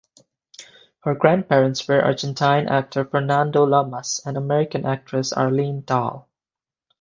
Her grandparents were Argentine actor Fernando Lamas and American actress Arlene Dahl.